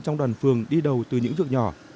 trong đoàn phường đi đầu từ những việc nhỏ